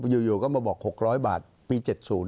อยู่ก็มาบอก๖๐๐บาทปี๗๐